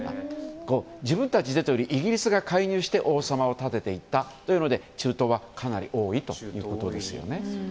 自分たちでというよりイギリスが介入して王様を立てていったということで中東はかなり多いということですよね。